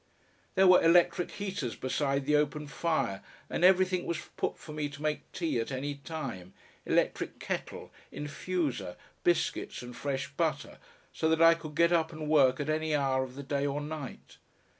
There were electric heaters beside the open fire, and everything was put for me to make tea at any time electric kettle, infuser, biscuits and fresh butter, so that I could get up and work at any hour of the day or night.